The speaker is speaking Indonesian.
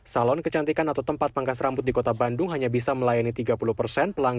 salon kecantikan atau tempat pangkas rambut di kota bandung hanya bisa melayani tiga puluh persen